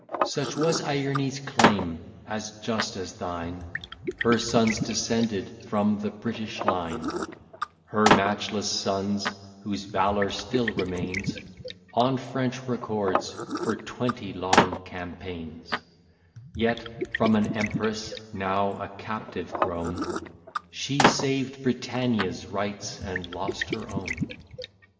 Such was Ierne's claim, as just as thine, Her sons descended from the British line; Her matchless sons, whose valour still remains On French records for twenty long campaigns; Yet, from an empress now a captive grown, She saved Britannia's rights, and lost her own.